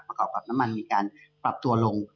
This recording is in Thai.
กับน้ำมันมีการปรับตัวลง